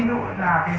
những bệnh viện này